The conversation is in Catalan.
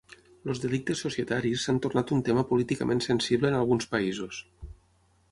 Els delictes societaris s'han tornat un tema políticament sensible en alguns països.